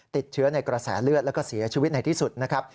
ติดเชื้อในกระแสเลือดแล้วก็เสียชีวิตในที่สุดนะครับ